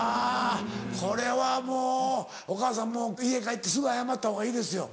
これはもうお母さんもう家帰ってすぐ謝ったほうがいいですよ。